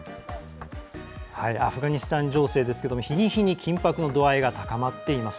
アフガニスタン情勢ですが日に日に緊迫の度合いが高まっています。